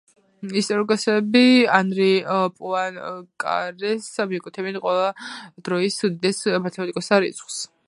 ისტორიკოსები ანრი პუანკარეს მიაკუთვნებენ ყველა დროის უდიდეს მათემატიკოსთა რიცხვს.